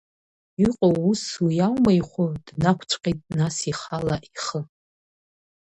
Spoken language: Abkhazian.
Иҟоу усс уи аума ихәы, днақәҵәҟьеит нас ихала ихы.